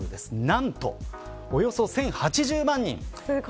何とおよそ１０８０万人です。